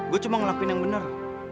gue cuma ngelakuin yang benar